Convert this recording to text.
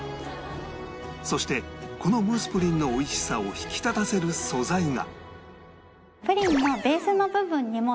そしてこのムースプリンのおいしさを引き立たせる素材が